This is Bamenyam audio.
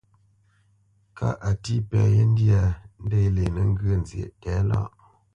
Kâʼ a tí pɛ yé ndyâ, ndě lenə́ ŋgyə̌ nzyéʼ tɛ̌lâʼ.